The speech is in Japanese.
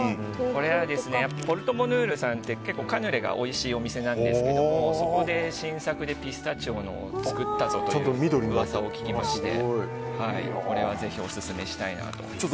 これはポルトボヌールさんってカヌレがおいしいお店なんですがそこで新作でピスタチオのを作ったぞという噂を聞きましてこれはぜひオススメしたいなと。